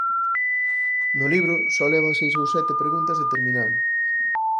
No libro só leva "seis ou sete" preguntas determinalo.